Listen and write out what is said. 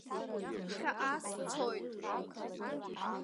Ԥхьаҟа сцоит.